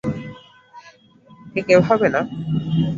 ঠিক এভাবে না।